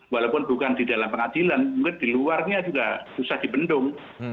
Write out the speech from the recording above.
walaupun bukan di dalam pengadilan mungkin di luarnya juga susah dibendung